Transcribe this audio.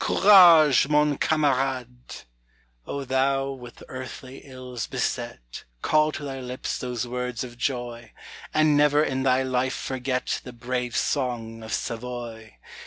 courage, mon camarade! O thou, with earthly ills beset, Call to thy lips those words of joy, And never in thy life forget The brave song of Savoy!